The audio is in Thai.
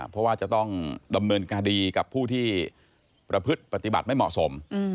เพราะว่าจะต้องดำเนินคดีกับผู้ที่ประพฤติปฏิบัติไม่เหมาะสม